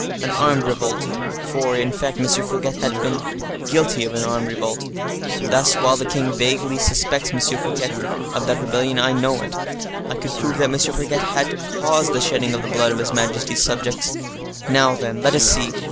An armed revolt!—for, in fact, M. Fouquet has been guilty of an armed revolt. Thus, while the king vaguely suspects M. Fouquet of rebellion, I know it—I could prove that M. Fouquet had caused the shedding of the blood of his majesty's subjects. Now, then, let us see.